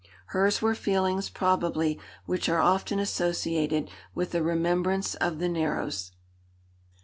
Hers were feelings, probably, which are often associated with a remembrance of the Narrows.